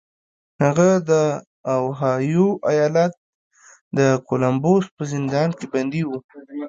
هغه د اوهایو ایالت د کولمبوس په زندان کې بندي و